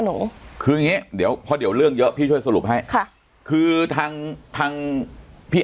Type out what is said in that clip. หนูคือเนี้ยเดียวพอเรื่องเยอะช่วยสรุปให้ค่ะคือทางพี่